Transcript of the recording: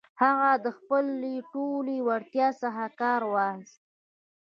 هغه له خپلې ټولې وړتيا څخه کار واخيست.